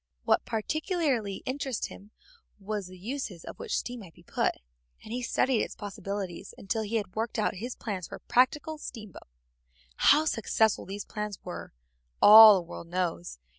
What particularly interested him was the uses to which steam might be put, and he studied its possibilities until he had worked out his plans for a practical steamboat. How successful those plans were all the world knows.